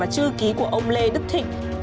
và chữ ký của ông lê đức thịnh